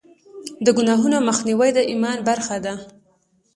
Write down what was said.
د ګناهونو مخنیوی د ایمان برخه ده.